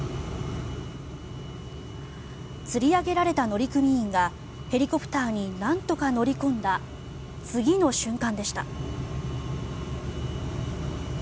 つり上げられた乗組員がヘリコプターになんとか乗り込んだ次の瞬間でした。